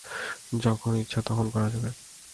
যখন ইচ্ছা তখন করা যাবে।